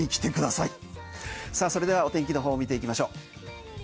さあ、それではお天気の方を見ていきましょう。